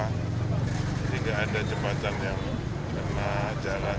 jadi tidak ada jembatan yang kena jalan